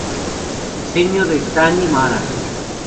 Diseño de Thani Mara.